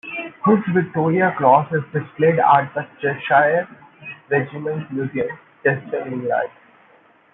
His Victoria Cross is displayed at The Cheshire Regiment Museum, Chester, England.